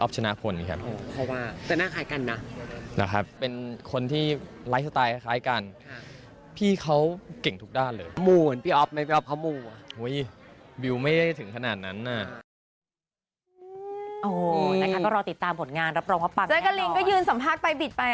แจ๊กกะลินก็ยืนสัมภาพไปไป